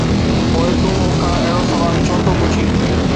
”پوءِ تون مون کان اهڙو سوال ڇو ٿو پڇين؟